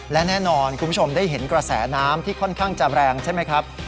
และแน่นอนคุณผู้ชมได้เห็นกระแสน้ำที่ค่อนข้างจะแรงใช่ไหมครับ